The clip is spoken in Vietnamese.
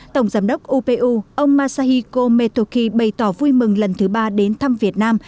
tổng giám đốc upu ông masahiko metoki bày tỏ vui mừng lần thứ ba đến thăm việt nam